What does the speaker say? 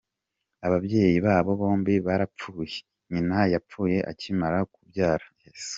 Ababyeyi babo bombi barapfuye; nyina yapfuye akimara kubabyara.